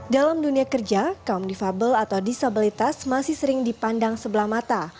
dalam dunia kerja kaum difabel atau disabilitas masih sering dipandang sebelah mata